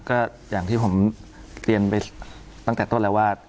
ก็อย่างที่ผมเรียนไปตั้งแต่ต้นแล้วว่า